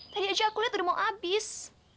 tadi aja aku liat udah mau habis